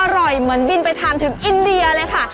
อร่อยเหมือนบินไปทานถึงอินเดียเลยค่ะ